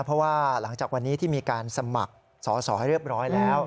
เพราะว่าหลังจากวันนี้ที่มีการสมัครสอสอให้เรียบร้อยแล้ว